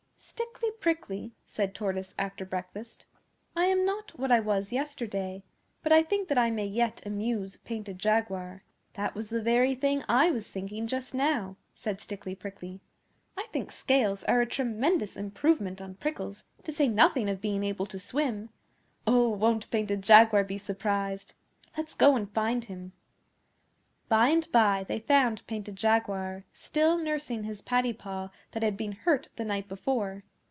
'Stickly Prickly,' said Tortoise after breakfast, 'I am not what I was yesterday; but I think that I may yet amuse Painted Jaguar. 'That was the very thing I was thinking just now,' said Stickly Prickly. 'I think scales are a tremendous improvement on prickles to say nothing of being able to swim. Oh, won't Painted Jaguar be surprised! Let's go and find him.' By and by they found Painted Jaguar, still nursing his paddy paw that had been hurt the night before.